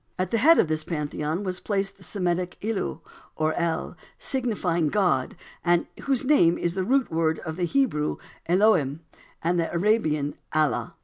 At the head of this pantheon was placed the Semitic Illu, or El, signifying God, and whose name is the root word of the Hebrew Elohim and the Arabian Allah.